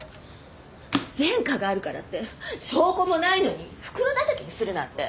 前科があるからって証拠もないのに袋だたきにするなんて。